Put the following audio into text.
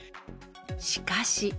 しかし。